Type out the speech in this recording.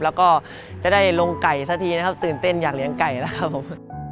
แล้วก็จะได้ลงไก่สักทีนะครับตื่นเต้นอยากเลี้ยงไก่แล้วครับผม